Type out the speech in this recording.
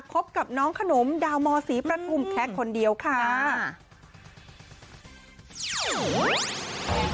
พบกับน้องขนมดาวมศประถุมแค้นคนเดียวค่ะค่ะ